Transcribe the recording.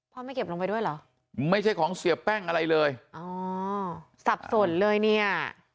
ไม่เก็บลงไปด้วยเหรอไม่ใช่ของเสียแป้งอะไรเลยอ๋อสับสนเลยเนี่ย